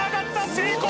成功！